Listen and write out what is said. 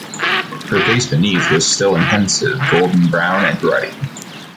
Her face beneath was still and pensive, golden-brown and ruddy.